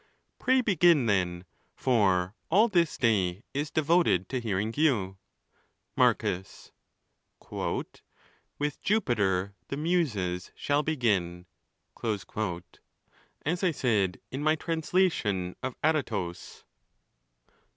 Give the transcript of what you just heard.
—Pray begin, then ; for all this day is devoted to hearing you. Marcus.—' With Jupiter the Muses shall toed as I said in my translation of Aratus.